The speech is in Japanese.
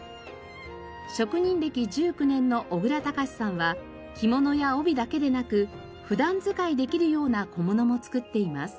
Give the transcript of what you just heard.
職人歴１９年の小倉隆さんは着物や帯だけでなく普段使いできるような小物も作っています。